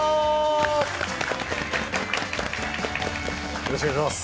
よろしくお願いします。